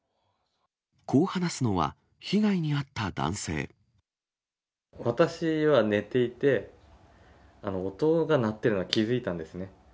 こう話すのは、被害に遭った私は寝ていて、音が鳴ってるのは気付いたんですね。